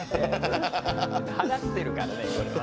払ってるからね、これは。